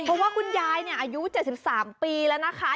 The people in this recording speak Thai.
เพราะว่าคุณยายอายุ๗๓ปีแล้วนะคะ